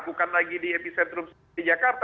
bukan lagi di epicentrum seperti jakarta